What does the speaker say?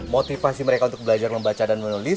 motivasi mereka untuk belajar membaca dan menulis